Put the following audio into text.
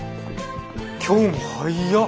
今日も早っ。